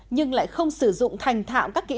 nhưng lại không thể sử dụng để hành nghề trong thực tế